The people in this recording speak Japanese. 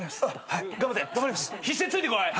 はい。